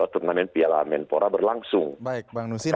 turnamen piala menpora yang akan dilakukan oleh pdrs